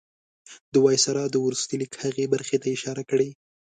د وایسرا د وروستي لیک هغې برخې ته اشاره کړې.